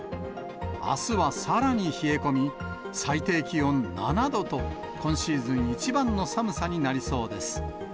あすはさらに冷え込み、最低気温７度と、今シーズン一番の寒さになりそうです。